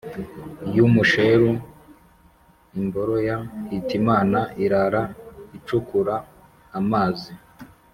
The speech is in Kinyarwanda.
y'u musheru « i m boro ya hitimana/ irara icukura a mazi/